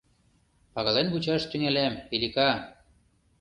— Пагален вучаш тӱҥалам, Элика!